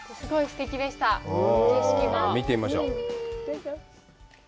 見てみましょう。